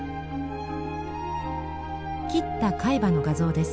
切った海馬の画像です。